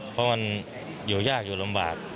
เพราะมันอยู่ยากอยู่ลำบาก